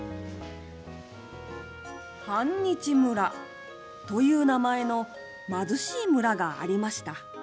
半日村という名前の貧しい村がありました。